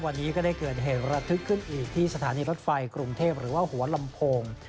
วันนี้ก็ได้เกิดเหตุระทึกขึ้นอีกที่สถานีรถไฟกรุงเทพหรือว่าหัวลำโพง